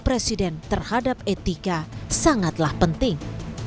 presiden terhadap etika sangatlah penting